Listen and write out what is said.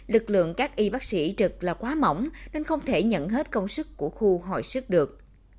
lực lượng các y bác sĩ trực là quá mỏng nên không thể nhận hết công sức của khu hồi sức được